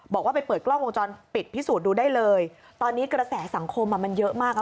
บอกว่าไปเปิดกล้องวงจรปิดพิสูจน์ดูได้เลยตอนนี้กระแสสังคมอ่ะมันเยอะมากอ่ะ